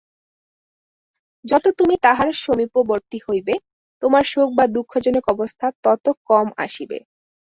যত তুমি তাঁহার সমীপবর্তী হইবে, তোমার শোক বা দুঃখজনক অবস্থা তত কম আসিবে।